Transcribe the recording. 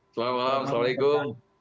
selamat malam assalamualaikum